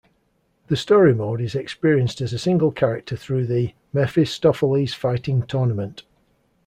The story mode is experienced as a single character through the "Mephistopheles Fighting Tournament".